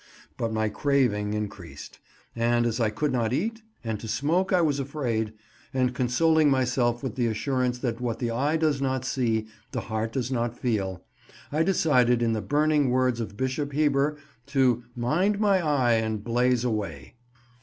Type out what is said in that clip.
But my craving increased, and as I could not eat, and to smoke I was afraid, and consoling myself with the assurance that what the eye does not see, the heart does not feel, I decided, in the burning words of Bishop Heber, to "mind my eye and blaze away."